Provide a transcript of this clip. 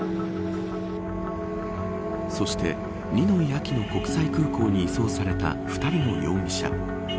そしてニノイ・アキノ国際空港に移送された２人の容疑者。